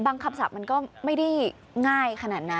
คำศัพท์มันก็ไม่ได้ง่ายขนาดนั้น